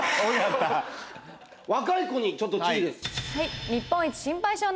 若い子にちょっと注意です。